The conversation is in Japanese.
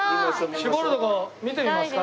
絞るとこ見てみますか。